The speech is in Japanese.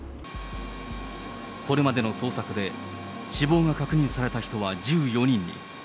これまでの捜索で、死亡が確認された人は１４人に。